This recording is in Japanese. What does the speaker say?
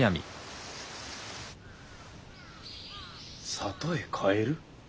郷へ帰る？